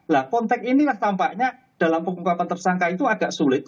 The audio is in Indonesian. nah konteks inilah tampaknya dalam pengungkapan tersangka itu agak sulit